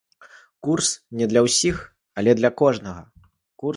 Курс не для ўсіх, але для кожнага!